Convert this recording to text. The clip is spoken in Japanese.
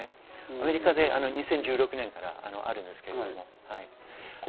アメリカで２０１６年からあるんですが。